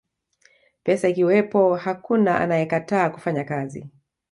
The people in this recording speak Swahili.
pesa ikiwepo hakuna anayekataa kufanya kazi